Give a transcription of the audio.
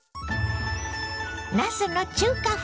なすの中華風